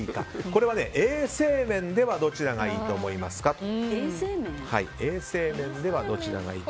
これはね、衛生面ではどちらがいいと思いますかと。